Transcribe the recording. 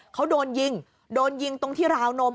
เขาโดนยิงโดนยิงตรงที่ราวนม